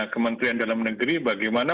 kementerian dalam negeri bagaimana